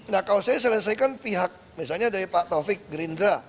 nah kalau saya selesaikan pihak misalnya dari pak taufik gerindra